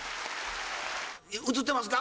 映ってますか？